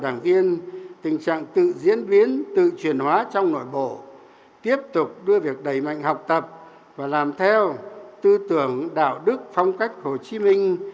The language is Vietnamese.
đảng viên tình trạng tự diễn biến tự chuyển hóa trong nội bộ tiếp tục đưa việc đầy mạnh học tập và làm theo tư tưởng đạo đức phong cách hồ chí minh